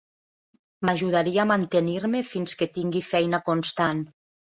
M'ajudaria a mantenir-me fins que tingui feina constant.